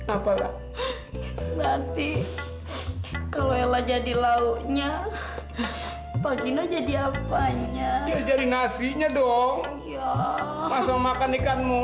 apalah nanti kalau ella jadi launya pagi no jadi apanya jadi nasinya dong masa makan ikan